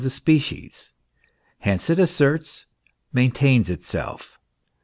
7 species: hence it asserts, maintains itself.